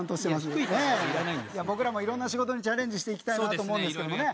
いや僕らもいろんな仕事にチャレンジしていきたいなと思うんですけれどもね。